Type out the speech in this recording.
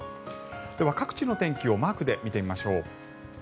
各地の天気をマークで見てみましょう。